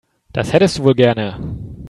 Das hättest du wohl gerne.